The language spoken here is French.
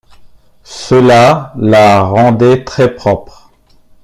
Cela la rendait très-propre.